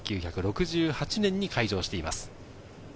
１９６８年に開場しています。